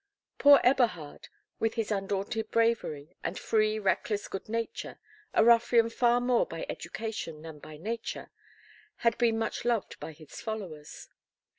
Poor Eberhard, with his undaunted bravery and free reckless good nature, a ruffian far more by education than by nature, had been much loved by his followers.